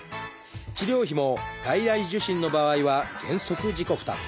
治療費も外来受診の場合は原則自己負担。